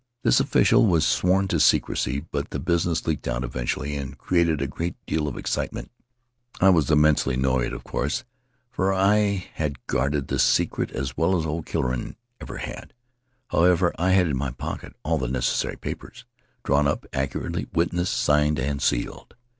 This official was sworn to secrecy, but the business leaked out eventually and created a great deal of excitement. I was im mensely annoyed, of course, for I had guarded the secret as well as old Killorain ever had. However, I had in my pocket all the necessary papers, drawn up accurately, witnessed, signed, and sealed.